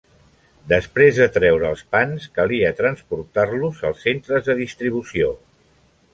Després de treure els pans calia transportar-los als centres de distribució.